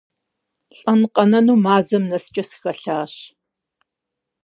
ЛӀэн-къэнэну мазэм нэскӀэ сыхэлъащ.